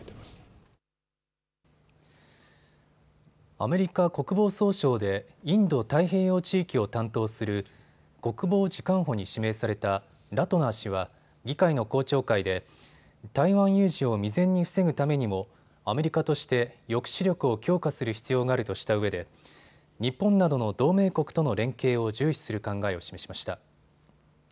アメリカ国防総省でインド太平洋地域を担当する国防次官補に指名されたラトナー氏は議会の公聴会で台湾有事を未然に防ぐためにもアメリカとして抑止力を強化する必要があるとしたうえで日本などの同盟国との連携を重視する考えを示しました。